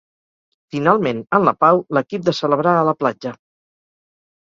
Finalment, en la pau, l'equip de celebrar a la platja.